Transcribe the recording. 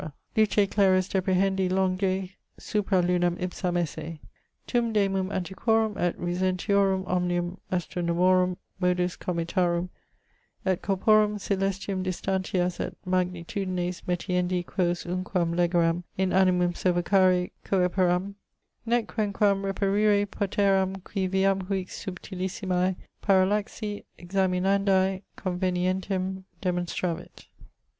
luce clarius deprehendi longè supra lunam ipsam esse. Tum demum antiquorum et recentiorum omnium astronomorum modos cometarum et corporum coelestium distantias et magnitudines metiendi quos unquam legeram in animum sevocare coeperam, nec quenquam reperire poteram qui viam huic subtilissimae parallaxi examinandae convenientem demonstravit.